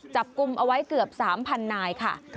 จับกลุ่มเอาไว้เกือบ๓๐๐นายค่ะ